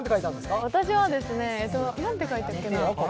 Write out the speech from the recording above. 私はなんて書いたっけな？